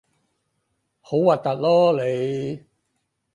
好核突囉你